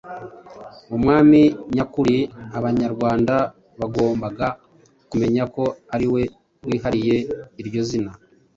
Umwami nyakuri, Abanyarwanda bagombaga kumenya ko aliwe wihariye iryo zina